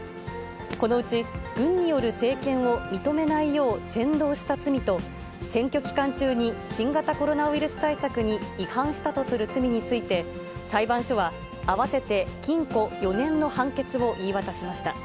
このうち軍による政権を認めないよう扇動した罪と、選挙期間中に新型コロナウイルス対策に違反したとする罪について、裁判所は合わせて禁錮４年の判決を言い渡しました。